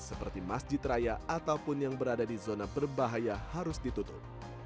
seperti masjid raya ataupun yang berada di zona berbahaya harus ditutup